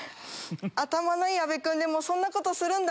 頭のいい阿部君でもそんなことするんだ。